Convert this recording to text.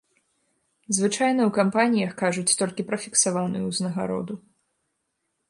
Звычайна ў кампаніях кажуць толькі пра фіксаваную ўзнагароду.